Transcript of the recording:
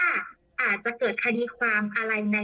ถ้าเกิดคดีความในอนาคตมีความเรียนว่าเราจะผิดกฎหมาย